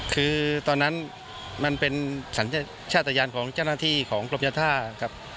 คือตอนนั้นมันเป็นสัญชาติยานของเจ้าหน้าที่ของกรมยาท่ากับ